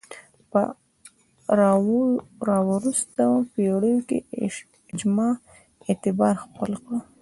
په راوروسته پېړیو کې اجماع اعتبار خپل کړ